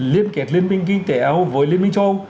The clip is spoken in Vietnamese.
liên kết liên minh kinh tế au với liên minh châu âu